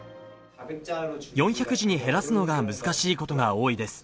４００字に減らすのが難しいことが多いです。